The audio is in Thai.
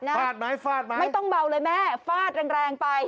ฟาดไหมฟาดมาไม่ต้องเบาเลยแม่ฟาดแรงแรงไป